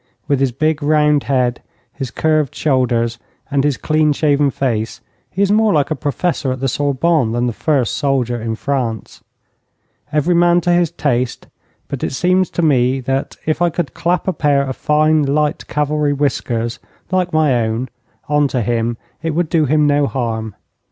With his big, round head, his curved shoulders, and his clean shaven face, he is more like a Professor at the Sorbonne than the first soldier in France. Every man to his taste, but it seems to me that, if I could clap a pair of fine light cavalry whiskers, like my own, on to him, it would do him no harm.